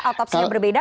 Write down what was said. otopsi yang berbeda